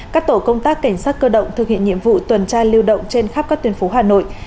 các tổ công tác cảnh sát cơ động thực hiện nhiệm vụ tuần tra lưu động trên khắp các tuyến phố hà nội